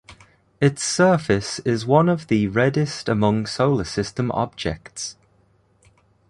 Its surface is one of the reddest among Solar System objects.